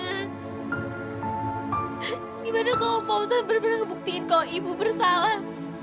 bagaimana kalau saudara fauzan benar benar membuktikan bahwa ibu bersalah